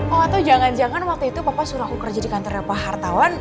oh atau jangan jangan waktu itu bapak suruh aku kerja di kantornya pak hartawan